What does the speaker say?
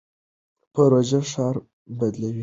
پروژه ښار بدلوي.